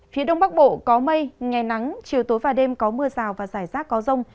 phía đông bắc bộ có mây ngày nắng chiều tối và đêm có mưa rào và rải rác có rông